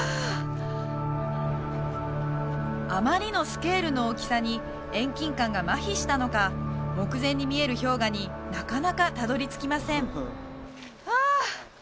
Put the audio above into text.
あまりのスケールの大きさに遠近感がマヒしたのか目前に見える氷河になかなかたどり着きません